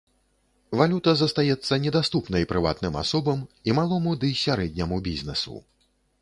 Валюта застаецца недаступнай прыватным асобам і малому ды сярэдняму бізнэсу.